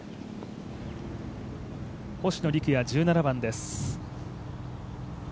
星野陸也、１７番です。